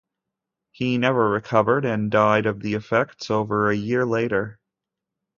He never recovered, and died of the effects over a year later.